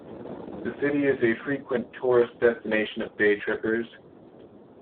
The city is a frequent tourist destination of day trippers.